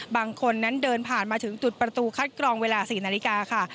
บางคนนั้นเดินผ่านมาถึงจุดประตูคัดกรองเวลา๔นาฬิกาค่ะ